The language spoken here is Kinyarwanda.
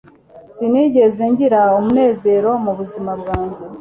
Sinigeze ngira umunezero mubuzima bwanjye